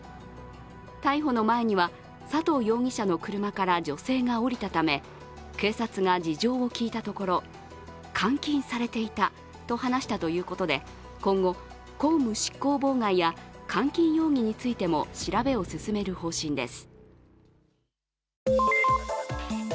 逮捕の前には佐藤容疑者の車から女性が降りたため警察が事情を聴いたところ監禁されていたと話たということで今後、公務執行妨害や監禁容疑についても調べを進める方針です。